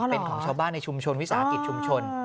เป็นของชาวบ้านในชุมชนวิสาหกิจชุมชน